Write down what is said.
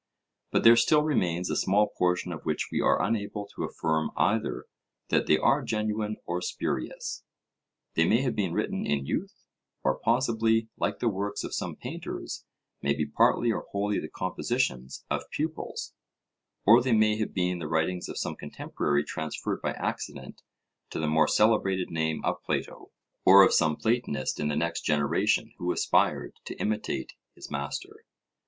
But there still remains a small portion of which we are unable to affirm either that they are genuine or spurious. They may have been written in youth, or possibly like the works of some painters, may be partly or wholly the compositions of pupils; or they may have been the writings of some contemporary transferred by accident to the more celebrated name of Plato, or of some Platonist in the next generation who aspired to imitate his master.